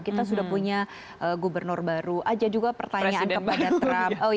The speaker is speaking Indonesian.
kita sudah punya gubernur baru ada juga pertanyaan kepada trump